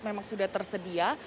memang sudah tersedia